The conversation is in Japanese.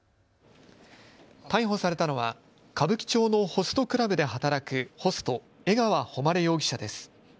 逮捕されたのは歌舞伎町のホストクラブで働くホスト、江川誉容疑者です。